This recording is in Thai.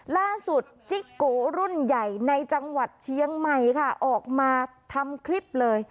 ล่าสุดจิ๊กโกรุ่นใหญ่ในจังหวัดเชียงใหม่ค่ะออกมาทำคลิปเลย